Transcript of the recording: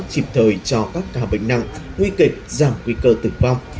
chữa trời cho các ca bệnh nặng nguy kịch giảm nguy cơ tử vong